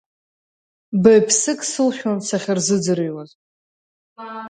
Баҩ-ԥсык сылшәон сахьырзыӡырҩуаз…